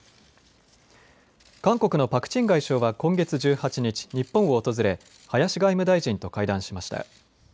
韓国のパク・チン外相は今月１８日、日本を訪れ林外務大臣と会談しました。